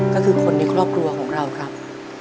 ก็คือคนในครอบครัวของเราครับ